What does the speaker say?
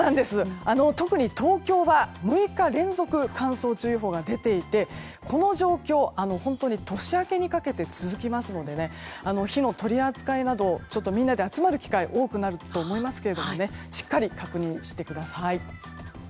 特に東京は６日連続乾燥注意報が出ていてこの状況、本当に年明けにかけて続きますので火の取り扱いなどみんなで集まる機会が多くなると思いますけどもしっかり確認してください。